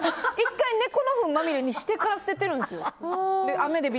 １回猫のふんまみれにしてから捨てられてるんですよ。